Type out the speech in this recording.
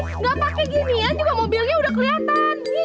gak pake gini ya coba mobilnya udah keliatan